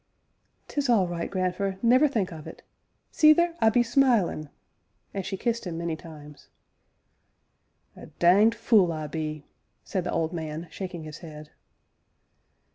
"'Tis all right, grandfer, never think of it see there, I be smilin'!" and she kissed him many times. "A danged fule I be!" said the old man, shaking his head.